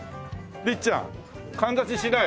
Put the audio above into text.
りっちゃんかんざししない？